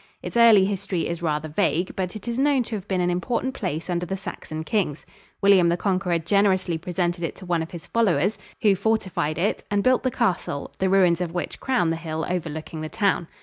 Its early history is rather vague, but it is known to have been an important place under the Saxon kings. William the Conqueror generously presented it to one of his followers, who fortified it and built the castle the ruins of which crown the hill overlooking the town.